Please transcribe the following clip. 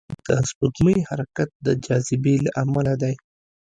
د سپوږمۍ حرکت د جاذبې له امله دی.